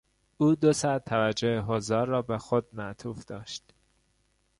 او دو ساعت توجه حضار را به خود معطوف داشت.